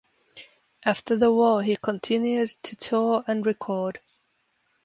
After the war he continued to tour and record.